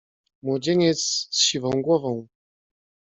"Młodzieniec z siwą głową."